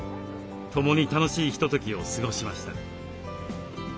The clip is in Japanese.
共に楽しいひとときを過ごしました。